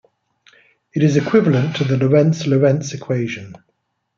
It is equivalent to the Lorentz-Lorenz equation.